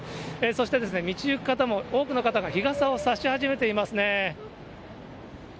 そして、道行く方も、多くの方が日傘を差し始めていますね。